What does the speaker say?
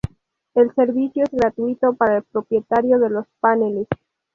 El servicio es gratuito para el propietario de los paneles.